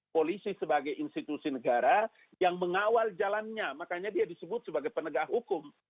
polisi sebagai institusi negara yang mengawal jalannya makanya dia disebut sebagai penegak hukum